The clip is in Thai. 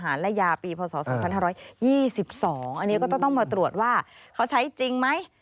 อันนี้ก็ต้องมาตรวจว่าเขาใช้จริงไหม